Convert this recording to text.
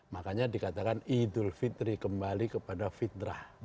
makanya dikatakan idul fitri kembali kepada fitrah